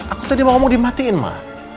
aku tadi mau ngomong dimatiin ma